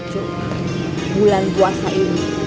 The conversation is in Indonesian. lho walnut bulan puasa ini